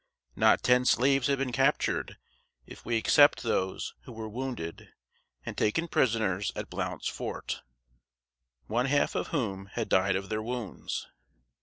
Not ten slaves had been captured, if we except those who were wounded and taken prisoners at "Blount's Fort," one half of whom had died of their wounds.